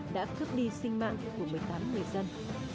đã cướp đi sinh mạng của một mươi tám người dân